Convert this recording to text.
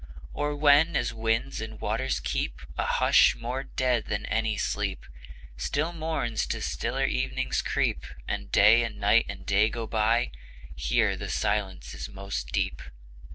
Or when, as winds and waters keep A hush more dead than any sleep, Still morns to stiller evenings creep, And Day and Night and Day go by; Here the silence is most deep.